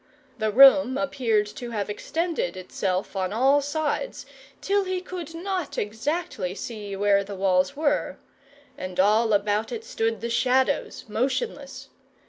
The room appeared to have extended itself on all sides, till he could not exactly see where the walls were; and all about it stood the Shadows motionless.